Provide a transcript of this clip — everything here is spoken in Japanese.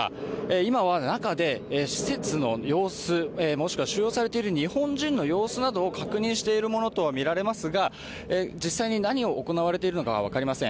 今は中で施設の様子、もしくは収容されている日本人の様子などを確認しているものとみられますが実際に何が行われているのかは分かりません。